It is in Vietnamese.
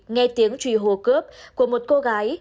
nghe tiếng trùy hồ cướp của một cô gái